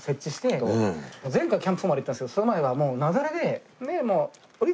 前回はキャンプ４まで行ったんですけどその前はもう雪崩で。